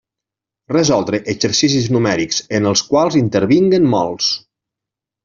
Resoldre exercicis numèrics en els quals intervinguen mols.